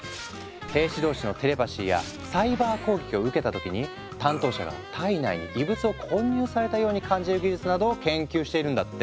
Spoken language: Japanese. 兵士同士のテレパシーやサイバー攻撃を受けた時に担当者が体内に異物を混入されたように感じる技術などを研究しているんだって。